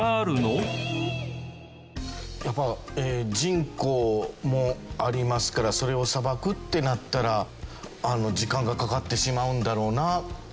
やっぱ人口もありますからそれをさばくってなったら時間がかかってしまうんだろうなというのはありますね。